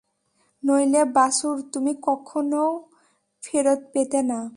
নইলে বাছুর তুমি কখনও ফেরত পেতে না।